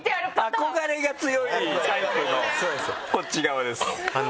憧れが強いタイプのこっち側です。